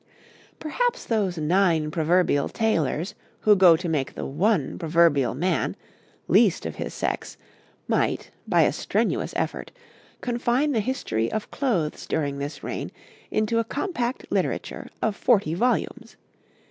Perhaps those nine proverbial tailors who go to make the one proverbial man, least of his sex, might, by a strenuous effort, confine the history of clothes during this reign into a compact literature of forty volumes.